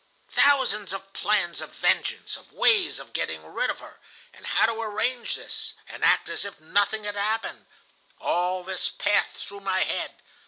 Thousands of plans of vengeance, of ways of getting rid of her, and how to arrange this, and act as if nothing had happened,—all this passed through my head.